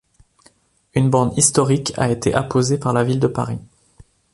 Une borne historique a été apposée par la ville de Paris.